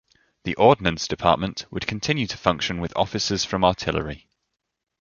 The Ordnance Department would continue to function with officers from artillery.